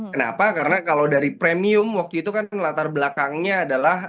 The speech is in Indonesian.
kenapa karena kalau dari premium waktu itu kan latar belakangnya adalah